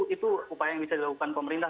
itu upaya yang bisa dilakukan pemerintah